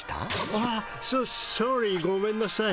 あっソソーリーごめんなさい。